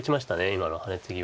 今のハネツギは。